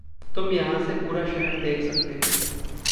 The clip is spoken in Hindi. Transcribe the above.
तुम यहाँ से पूरा शहर देख सकते हो।